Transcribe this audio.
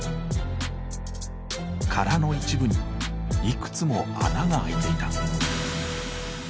殻の一部にいくつも穴が開いていた。